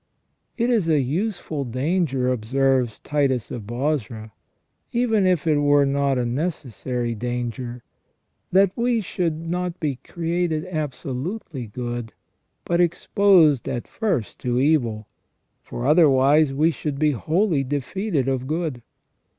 * It is a useful danger, observes Titus of Bozra, even if it were not a necessary danger, that we should not be created absolutely good, but exposed at first to evil, for otherwise we should be wholly defeated of good.